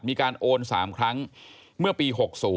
มีการโอน๓ครั้งเมื่อปี๖๐